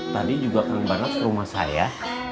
tadi juga kang baras ke rumah saya